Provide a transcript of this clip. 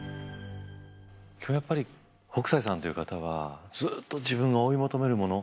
やっぱり北斎さんという方はずっと自分が追い求めるもの。